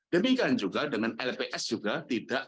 demikian juga dengan lps juga tidak